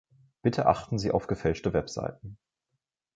Bitte achten Sie auf gefälschte Webseiten.